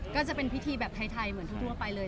ก็จะเป็นพิธีแบบไทยเหมือนทั่วไปเลย